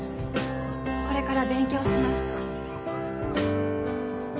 これから勉強します。